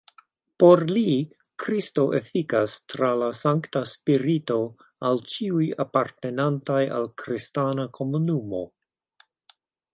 Por li Kristo efikas tra la Sankta Spirito al ĉiuj apartenantaj al kristana komunumo.